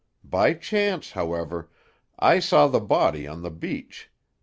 By chance, however, I saw the body on the beach.